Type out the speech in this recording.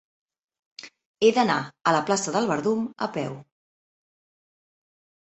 He d'anar a la plaça del Verdum a peu.